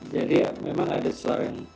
jadi memang ada suara yang